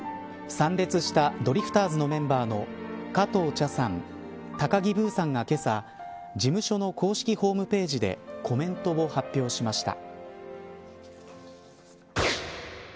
参列したドリフターズのメンバーの加藤茶さん、高木ブーさんがけさ事務所の公式ホームページでコメントを発表しました。